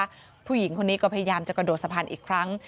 ผู้หญิงคนนี้ก็พยายามจะกระโดดสะพานอีกครั้ง